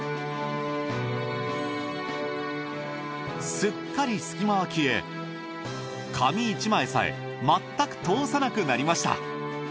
すっかり隙間は消え紙１枚さえまったく通さなくなりました。